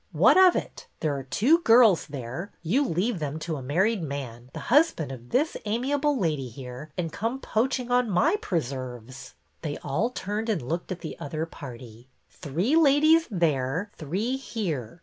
What of it? There are two girls there. You leave them to a married man, the husband of this amiable lady here, and come poaching on my preserves I " 256 BETTY BAIRD'S VENTURES They all turned and looked at the other party. Three ladies there, three here.